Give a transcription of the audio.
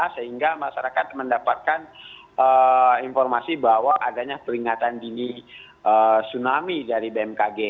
sehingga masyarakat mendapatkan informasi bahwa adanya peringatan dini tsunami dari bmkg